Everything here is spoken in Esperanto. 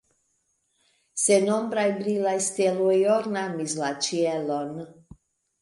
Sennombraj brilaj steloj ornamis la ĉielon.